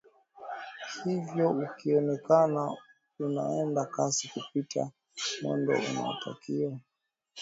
hivyo ukionekana unaenda kasi kupita mwendo unaotakiwa